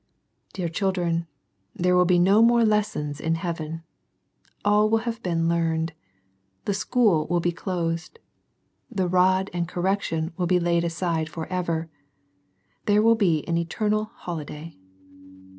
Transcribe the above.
Dear children, there will be no more lessons in heaven. All will have been learned. The school will be closed. The rod and correction will be laid aside for ever. There will be an eternal holiday.